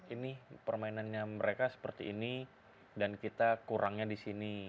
ini permainannya mereka seperti ini dan kita kurangnya di sini